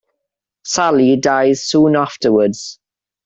Sally dies soon afterwards.